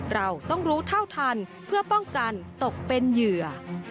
เราต้องรู้เท่าทันเพื่อป้องกันตกเป็นเหยื่อ